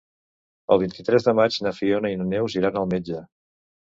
El vint-i-tres de maig na Fiona i na Neus iran al metge.